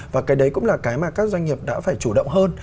và cái đấy cũng là cái mà các doanh nghiệp đã phải chủ động hơn